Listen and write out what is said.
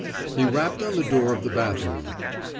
He rapped on the door of the bathroom.